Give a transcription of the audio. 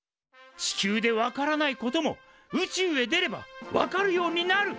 地球で分からないことも宇宙へ出れば分かるようになる。